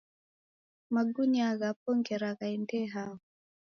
Magunia ghapo ngera ghaendee hao